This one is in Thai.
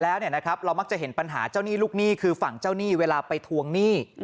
แล้วเรามักจะเห็นปัญหาเจ้าหนี้ลูกหนี้คือฝั่งเจ้าหนี้เวลาไปทวงหนี้